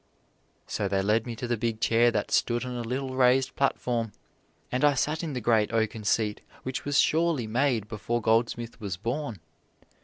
So they led me to the big chair that stood on a little raised platform, and I sat in the great oaken seat which was surely made before Goldsmith was born.